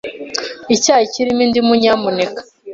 Icyayi kirimo indimu, nyamuneka.